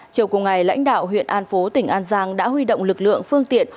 chiều cùng ngày lãnh đạo huyện an phố tỉnh an giang đã huy động lực lượng phương tiện